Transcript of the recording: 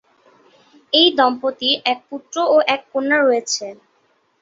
এই দম্পতির এক পুত্র ও এক কন্যা রয়েছে।